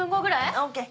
ＯＫ！